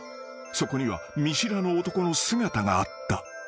［そこには見知らぬ男の姿があった］